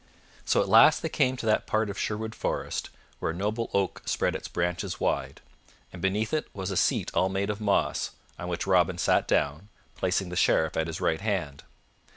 So at last they came to that part of Sherwood Forest where a noble oak spread its branches wide, and beneath it was a seat all made of moss, on which Robin sat down, placing the Sheriff at his right hand.